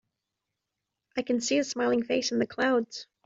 I can see a smiling face in the clouds.